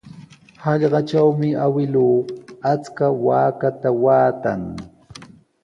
Hallqatrawmi awkilluu achka waakata waatan.